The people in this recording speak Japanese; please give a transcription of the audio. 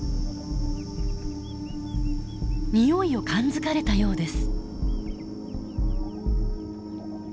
においを感づかれたようです。